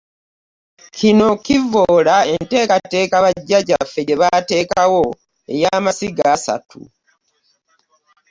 Kino kivvoola enteekateeka Bajjajjaffe gye baateekawo ey'amasiga asatu.